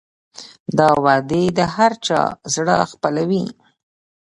دا وعدې د هر چا زړه خپلوي.